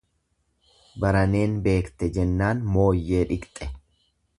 Baraneen beekte jennaan mooyyee dhiqxe.